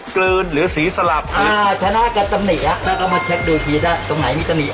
กลืนหรือสีสลับอ่าชนะการตำหนิแล้วก็มาเช็คดูทีได้ตรงไหนมีตำหนิ